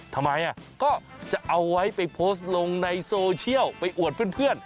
ทำไมก็จะเอาไว้ไปโพสต์ลงในโซเชียลไปอวดเพื่อน